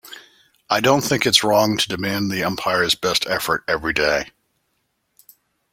I don't think it's wrong to demand the umpires' best effort every day.